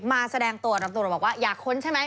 แสดงตัวตำรวจบอกว่าอยากค้นใช่ไหม